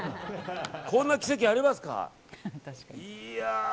こんな奇跡ありますか。